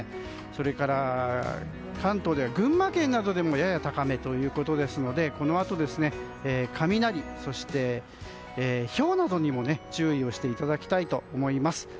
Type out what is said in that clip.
それから関東では群馬県などでもやや高めということですのでこのあと雷そしてひょうなどにも注意をしていただきたいと思います。